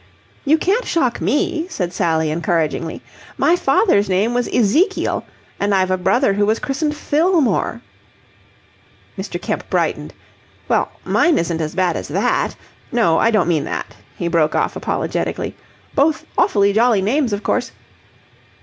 "You can't shock me," said Sally, encouragingly. "My father's name was Ezekiel, and I've a brother who was christened Fillmore." Mr. Kemp brightened. "Well, mine isn't as bad as that... No, I don't mean that," he broke off apologetically. "Both awfully jolly names, of course..."